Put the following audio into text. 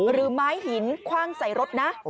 หรือไม้หินคว่างใส่รถนะ